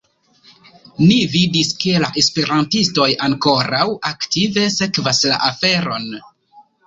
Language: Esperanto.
Ni vidis, ke la esperantistoj ankoraŭ aktive sekvas la aferon.